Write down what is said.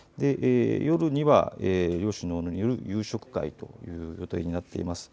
夜には両首脳による夕食会という予定になっています。